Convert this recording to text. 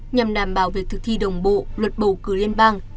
nhằm đảm bảo việc thực thi đồng bộ luật bầu cử liên bang